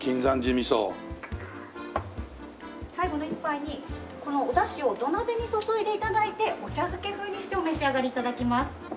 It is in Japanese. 最後の一杯にこのお出汁を土鍋に注いで頂いてお茶漬け風にしてお召し上がり頂きます。